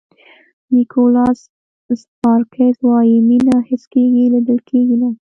نیکولاس سپارکز وایي مینه حس کېږي لیدل کېږي نه.